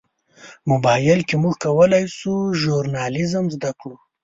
موبایل کې موږ کولی شو ژورنالیزم زده کړو.